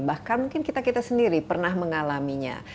bahkan mungkin kita kita sendiri pernah mengalaminya